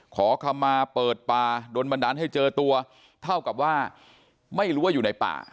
ขอคำมาเปิดป่าโดนบันดาลให้เจอตัวเท่ากับว่าไม่รู้ว่าอยู่ในป่า